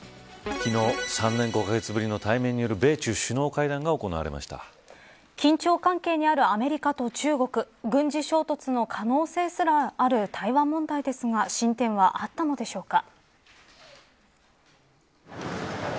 昨日、３年５カ月ぶりの対面による緊張関係にあるアメリカと中国軍事衝突の可能性すらある台湾問題ですが進展はあったのでしょうか。